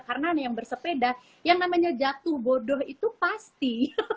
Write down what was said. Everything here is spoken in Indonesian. karena yang bersepeda yang namanya jatuh bodoh itu pasti